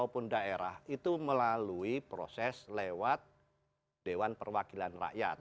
kalau untuk kpu ya itu melalui proses lewat dewan perwakilan rakyat